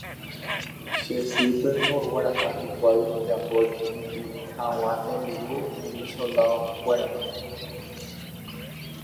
che sýpengo ogueraha hikuái ojapo jepi hag̃ua tembi’u umi soldado-kuérape